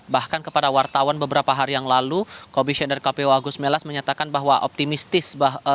bahkan kepada wartawan beberapa hari yang lalu komisioner kpu agus melas menyatakan bahwa optimistis